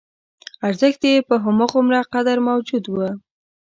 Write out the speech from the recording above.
ارزښت یې په همغومره قدر موجود و.